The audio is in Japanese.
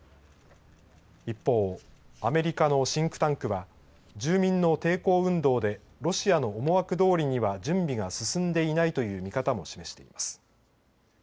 一方アメリカのシンクタンクは住民の抵抗運動でロシアの思惑どおりには準備が進んでいないという見方も示しています。